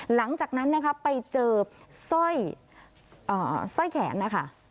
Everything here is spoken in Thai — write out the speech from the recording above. หลังจากนั้นนะคะไปเจอสร้อยแขนนะคะ